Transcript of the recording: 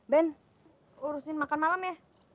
ben urusin makan malam ya